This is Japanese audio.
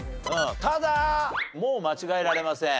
ただもう間違えられません。